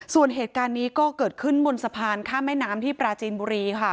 ส่วนเหตุการณ์นี้ก็เกิดขึ้นบนสะพานข้ามแม่น้ำที่ปราจีนบุรีค่ะ